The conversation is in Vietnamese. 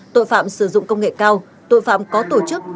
tội phạm sử dụng công nghệ cao tội phạm có tổ chức